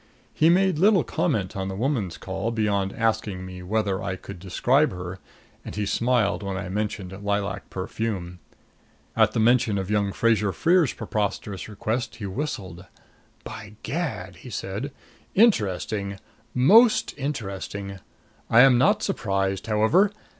He made little comment on the woman's call beyond asking me whether I could describe her; and he smiled when I mentioned lilac perfume. At mention of young Fraser Freer's preposterous request he whistled. "By gad!" he said. "Interesting most interesting! I am not surprised, however.